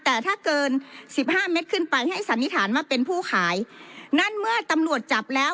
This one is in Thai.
แต่ถ้าเกินสิบห้าเมตรขึ้นไปให้สันนิษฐานว่าเป็นผู้ขายนั่นเมื่อตำรวจจับแล้ว